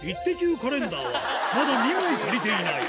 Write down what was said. カレンダーはまだ２枚足りていない。